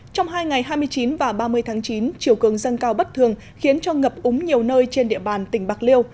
trong hai ngày hai mươi chín và ba mươi tháng chín chiều cường dâng cao bất thường khiến cho ngập úng nhiều nơi trên địa bàn tỉnh bạc liêu